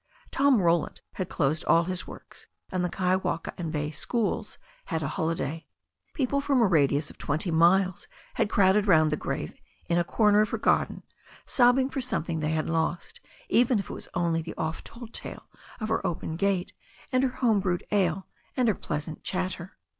Tom Ro land had closed all his works, and the Kaiwaka and bay schools had a holiday. People from a radius of twenty miles had crowded round the grave in a corner of her garden, sobbing for something they had lost, even if it was only the oft told tale of her open gate, and her home brewed ale, and her pleasant chatter.